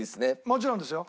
もちろんですよ。